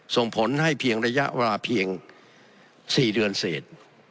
ส่งผลให้เพียงระยะเวลาเพียง๔เดือนเสร็จ